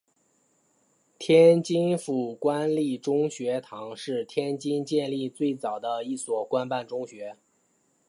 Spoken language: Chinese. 天津府官立中学堂是天津建立最早的一所官办中学。